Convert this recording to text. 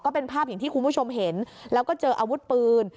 เป็นภาพอย่างที่คุณผู้ชมเห็นแล้วก็เจออาวุธปืน